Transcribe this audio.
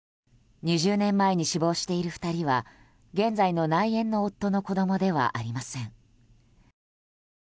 ２０年前に死亡している２人は現在の内縁の夫の子供ではありません。